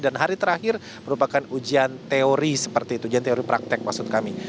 dan hari terakhir merupakan ujian teori seperti itu ujian teori praktek maksud kami